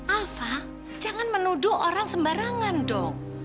alfa jangan menuduh orang sembarangan dong